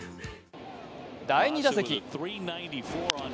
第２打席。